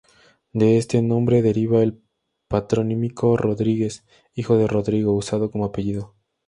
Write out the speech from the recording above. De este nombre deriva el patronímico "Rodríguez", hijo de Rodrigo, usado como apellido.